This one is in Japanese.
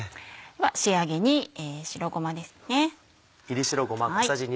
では仕上げに白ごまですね。